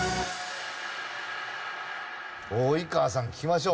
及川さん聞きましょう。